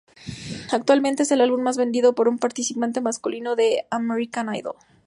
Actualmente es el álbum más vendido por un participante masculino de American Idol.